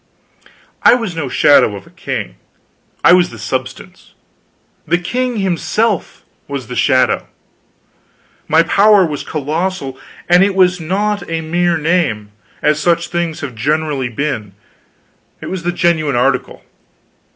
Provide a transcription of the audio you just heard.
I was no shadow of a king; I was the substance; the king himself was the shadow. My power was colossal; and it was not a mere name, as such things have generally been, it was the genuine article.